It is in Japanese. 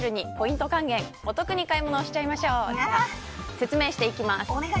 説明していきます。